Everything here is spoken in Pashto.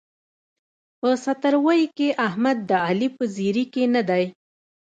په ستروۍ کې احمد د علي په زېري کې نه دی.